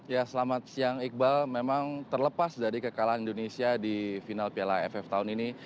ya selamat siang iqbal memang terlepas dari kekalahan indonesia di final piala aff tahun ini